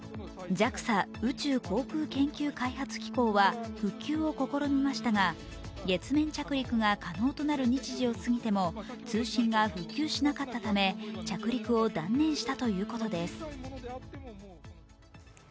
ＪＡＸＡ＝宇宙航空研究開発機構は復旧を試みましたが月面着陸が可能となる日時を過ぎても通信が復旧しなかったため着陸を断念したということです。